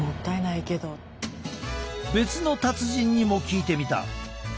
別の達人にも聞いてみた。